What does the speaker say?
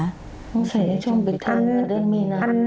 ตั้งแต่เมื่อไหร่คะ